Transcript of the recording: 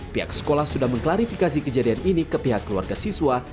pihak sekolah sudah mengklarifikasi kejadian ini ke pihak keluarga siswa